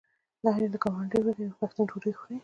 آیا که ګاونډی وږی وي پښتون ډوډۍ خوري؟